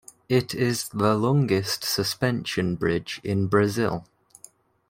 It is the longest suspension bridge in Brazil.